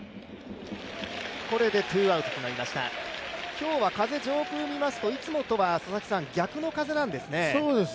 今日は風、上空を見ますと、いつもとは逆の風なんですね。